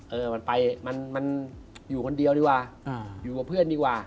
เออมันไปมันอยู่คนเดียวดีกว่าอยู่กับเพื่อนดีกว่า